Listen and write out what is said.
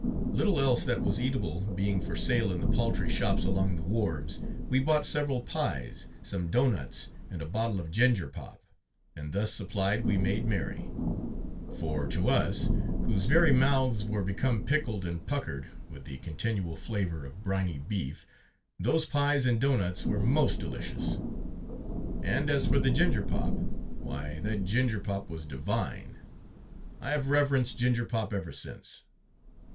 Little else that was eatable being for sale in the paltry shops along the wharves, we bought several pies, some doughnuts, and a bottle of ginger pop, and thus supplied we made merry. For to us, whose very mouths were become pickled and puckered, with the continual flavor of briny beef, those pies and doughnuts were most delicious. And as for the ginger pop, why, that ginger pop was divine! I have reverenced ginger pop ever since.